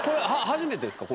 初めてですか？